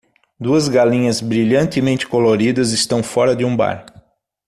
Duas galinhas brilhantemente coloridas estão fora de um bar.